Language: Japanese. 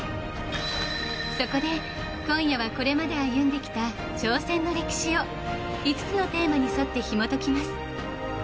そこで今夜はこれまで歩んできた挑戦の歴史を５つのテーマに沿ってひも解きます。